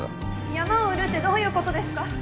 山を売るってどういう事ですか？